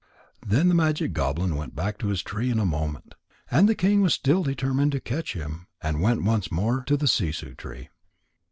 Then the magic goblin went back to his tree in a moment. And the king was still determined to catch him, and went once more to the sissoo tree.